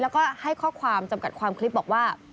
แล้วก็ให้ข้อความจำกัดความคลิปบอกว่า